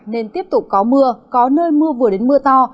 nên tiếp tục có mưa có nơi mưa vừa đến mưa to